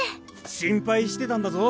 心配してたんだぞ。